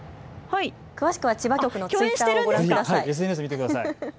詳しくは千葉局のツイッターをご覧ください。